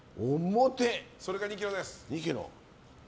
それが２ｋｇです。